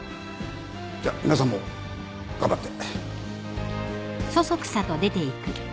じゃ皆さんも頑張って。